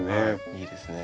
いいですね。